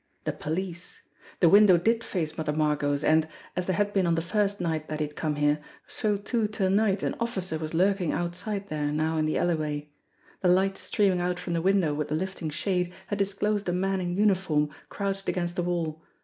The police ! The window did face Mother Margot's, and, as there had been on the first night that he had come here, so too to night an officer was lurking outside there now in the alleyway. The light streaming out from the window with the lifting shade had disclosed a man in uniform crouched against the wall.